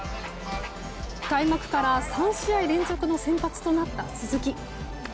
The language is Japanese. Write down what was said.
開幕から３試合連続の先発となった鈴木。